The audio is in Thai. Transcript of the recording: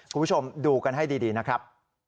คุณผู้ชมดูกันให้ดีนะครับ